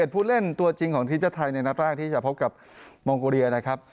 ผู้เล่นตัวจริงของทีมชาติไทยในนัดแรกที่จะพบกับมองโกเรียนะครับ